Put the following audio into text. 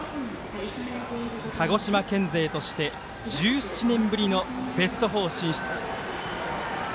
鹿児島県勢として１７年ぶりのベスト４進出。